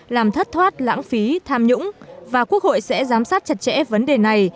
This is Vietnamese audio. làm thất thoát lãng phí tham nhũng và quốc hội sẽ giám sát chặt chẽ vấn đề này